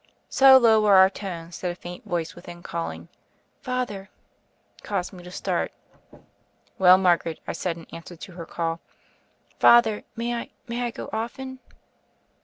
So low were our tones, that a faint voice within calling, "Father," caused me to start. "Well, Margaret," I said in answer to her call. "Father, may I — ^may I go often?"